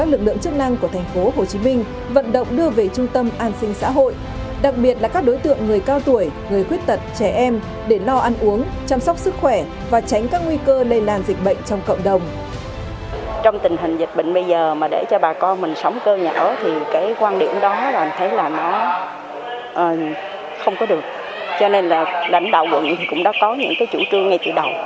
cho nên là lãnh đạo quận cũng đã có những chủ trương ngay từ đầu là phải xem xét để tính toán làm sao tìm một nơi để đưa bà con về khu này